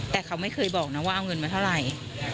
แต่เขาไม่เคยบอกนะว่าเอาเงินมาเท่าไหร่